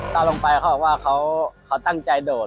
ตอนลงไปเขาบอกว่าเขาตั้งใจโดด